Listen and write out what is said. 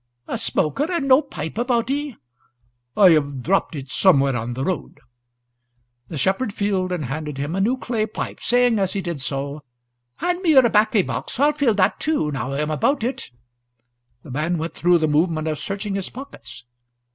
"A smoker, and no pipe about ye?" "I have dropped it somewhere on the road." The shepherd filled and handed him a new clay pipe, saying as he did so, "Hand me your 'baccy box; I'll fill that too, now I am about it." The man went through the movement of searching his pockets.